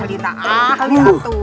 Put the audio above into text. ahli tak ahli